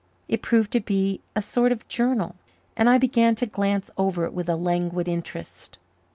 It proved to be a sort of journal, and I began to glance over it with a languid interest.